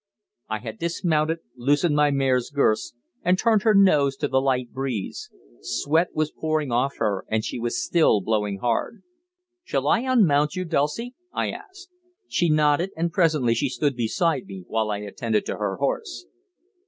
I had dismounted, loosened my mare's girths, and turned her nose to the light breeze. Sweat was pouring off her, and she was still blowing hard. "Shall I unmount you, Dulcie?" I asked. She nodded, and presently she stood beside me while I attended to her horse.